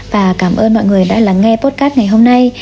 và cảm ơn mọi người đã lắng nghe potcap ngày hôm nay